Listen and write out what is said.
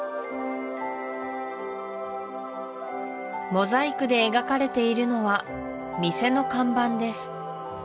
モザイクで描かれているのは店の看板です